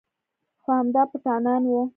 خو همدا پټانان و.